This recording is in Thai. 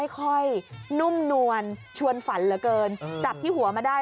ค่อยนุ่มนวลชวนฝันเหลือเกินจับที่หัวมาได้